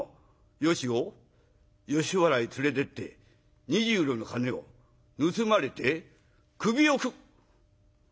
芳を吉原へ連れてって２０両の金を盗まれて首をく。